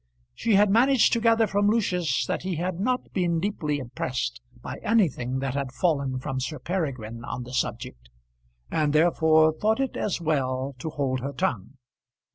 She had managed to gather from Lucius that he had not been deeply impressed by anything that had fallen from Sir Peregrine on the subject, and therefore thought it as well to hold her tongue.